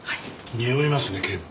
においますね警部。